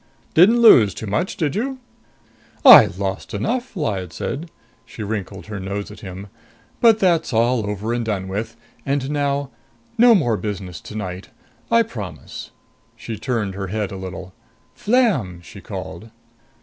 Didn't lose too much, did you?" "I lost enough!" Lyad said. She wrinkled her nose at him. "But that's all over and done with. And now no more business tonight. I promise." She turned her head a little. "Flam!" she called.